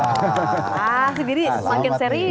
ah jadi makin serius nih